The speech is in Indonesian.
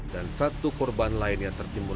dan satu korban lain yang terkimbul